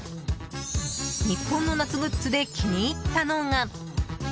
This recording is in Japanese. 日本の夏グッズで気に入ったのが。